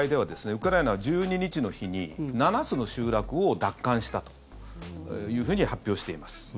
ウクライナ１２日の日に７つの集落を奪還したというふうに発表しています。